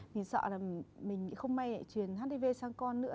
mình sợ là mình không may chuyển hdv sang con nữa